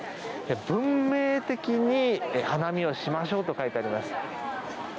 文明的に花見をしましょうと書かれています。